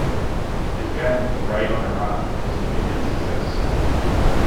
His game "Raid on Iran" was an immediate success.